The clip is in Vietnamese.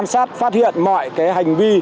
rất thân thiện